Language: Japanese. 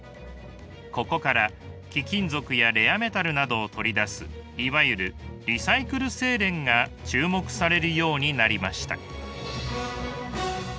ここから貴金属やレアメタルなどを取り出すいわゆるリサイクル製錬が注目されるようになりました。